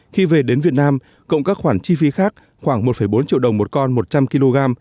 khi về đến việt nam cộng các khoản chi phí khác khoảng một bốn triệu đồng một con một trăm linh kg